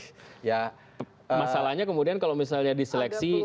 masalahnya kemudian kalau misalnya diseleksi